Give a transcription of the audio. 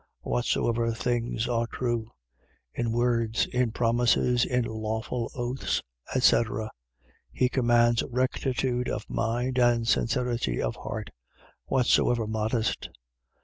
Whatsoever things are true. . .in words, in promises, in lawful oaths, etc., he commands rectitude of mind, and sincerity of heart. Whatsoever modest.